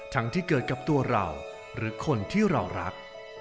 ที่เกิดกับตัวเราหรือคนที่เรารัก